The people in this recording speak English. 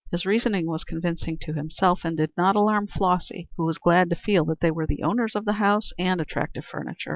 His reasoning was convincing to himself and did not alarm Flossy, who was glad to feel that they were the owners of the house and attractive furniture.